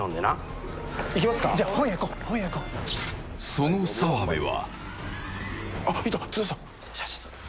その澤部は。